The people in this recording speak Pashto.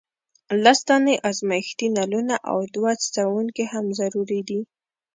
لس دانې ازمیښتي نلونه او دوه څڅونکي هم ضروري دي.